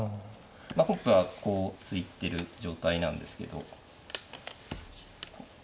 まあ本譜はこう突いてる状態なんですけど。